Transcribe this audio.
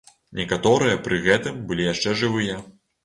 Некаторыя пры гэтым былі яшчэ жывыя.